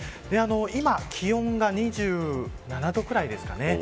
今、気温が２７度くらいですかね。